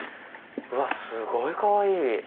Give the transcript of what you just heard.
うわっすごいかわいい！